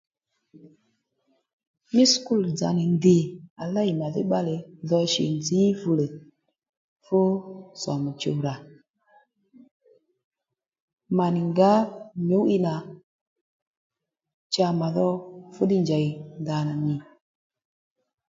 Mí sùkúl dzà nì ndìy à lêy màdhí bbalè dho shì nzǐ fulè fú sòmù chùwdha mà nì ngǎ nyǔ'wiy nà cha mà dho fú ddiy njèy ndanà nì